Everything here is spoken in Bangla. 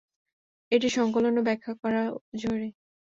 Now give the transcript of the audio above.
এটি সংকলন ও ব্যাখ্যা করা জরুরী।